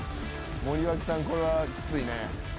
森脇さんこれはきついね。